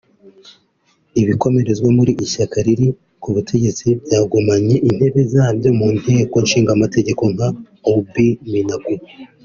Ibikomerezwa mu ishyaka riri ku butegetsi byagumanye intebe zabyo mu nteko nshingamateka nka Aubin Minaku